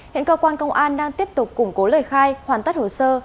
hiện cơ quan công an đang tiếp tục củng cố lời khai hoàn tất hồ sơ